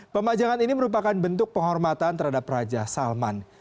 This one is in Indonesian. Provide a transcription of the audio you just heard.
pemajangan ini merupakan bentuk penghormatan terhadap raja salman